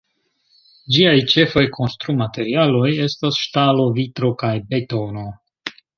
Ĝiaj ĉefaj konstrumaterialoj estas ŝtalo, vitro kaj betono.